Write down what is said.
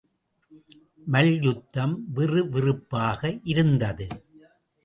மல்யுத்தம் விறுவிறுப்பாக இருந்தது.